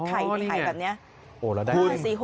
ใครในไห่แบบนี้